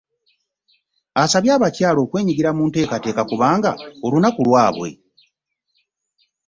Asabye abakyala okwenyigira mu nteekateeka kubanga olunaku lwabwe.